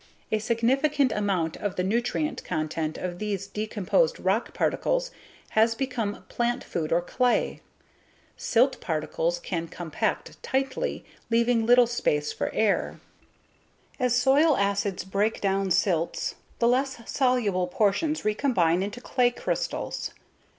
A significant amount of the nutrient content of these decomposed rock particles has become plant food or clay. Silt particles can compact tightly, leaving little space for air. As soil acids break down silts, the less soluble portions recombine into clay crystals.